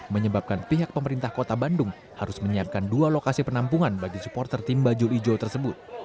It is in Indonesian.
menyebabkan pihak pemerintah kota bandung harus menyiapkan dua lokasi penampungan bagi supporter tim bajul ijo tersebut